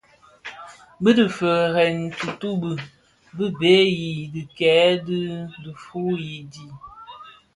Bi difeërèn tuutubi di bhee yi dhikèè dhi diifuyi di.